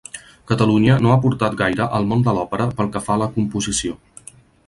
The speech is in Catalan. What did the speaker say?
Catalunya no ha aportat gaire al món de l'òpera pel que fa a la composició.